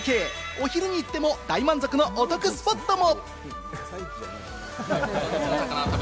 お昼に行っても大満足のお得スポットも！